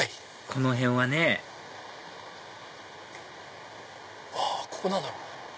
この辺はねあっここ何だろう？